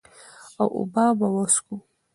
او اوبۀ به وڅښو ـ